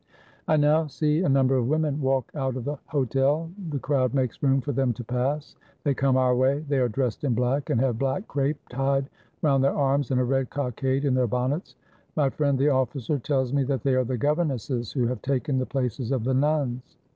I now see a number of women walk out of the Hotel, the crowd makes room for them to pass. They come our way. They are dressed in black, and have black crape tied round their arms and a red cockade in their bonnets. My friend the officer tells me that they are the governesses who have taken the places of the nuns.